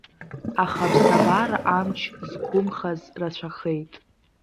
Аха аԥсабара амч зқәымхаз рацәахеит.